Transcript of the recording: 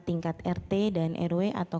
tingkat rt dan rw atau